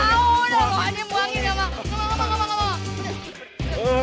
gak mau gak mau gak mau